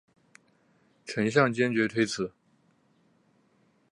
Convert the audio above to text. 陈顼坚决推辞。